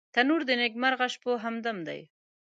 تنور د نیکمرغه شپو همدم دی